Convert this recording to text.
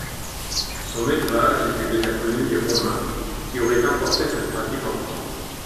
Son élevage était déjà connu des Romains qui auraient importé cette pratique en France.